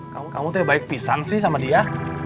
kamu tuh yang baik pisang sih sama dia